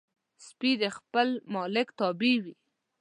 سپي د خپل مالک تابع وي.